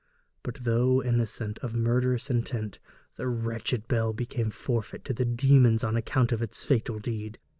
But though innocent of murderous intent, the wretched bell became forfeit to the demons on account of its fatal deed.